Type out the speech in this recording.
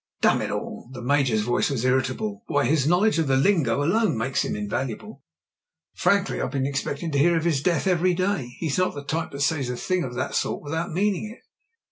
Damn it all!" The Major's voice was irritable. Why, his knowledge of the lingo alone makes him invaluable." "Frankly, I've been expecting to hear of his death every day. He's not the type that says a thing of that sort without meaning it."